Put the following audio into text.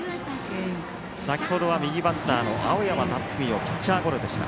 先程は右バッターの青山達史をピッチャーゴロでした。